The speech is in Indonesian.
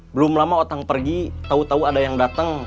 belum lama otang pergi tau tau ada yang datang